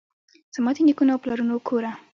زما دنیکونو اوپلرونو کوره!